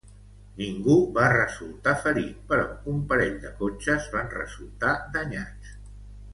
Ningú va resultar ferit, però un parell de cotxes van resultar danyats.